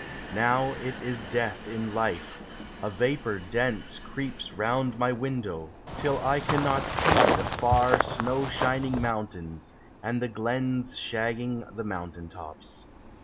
Now it is death in life, — a vapor dense Creeps round my window, till I cannot see The far snow shining mountains, and the glens Shagging the mountain tops.